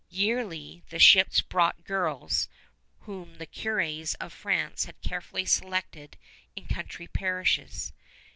Yearly the ships brought girls whom the curés of France had carefully selected in country parishes.